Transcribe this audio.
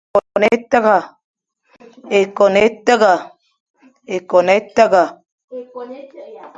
Ékôn é tagha.